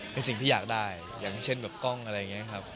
เป็นสิ่งที่อยากได้อย่างเช่นแบบกล้องอะไรอย่างนี้ครับ